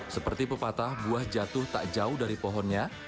seperti pepatah buah jatuh tak jauh dari pohonnya